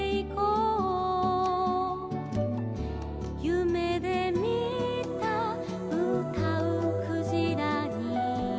「ゆめでみたうたうクジラに」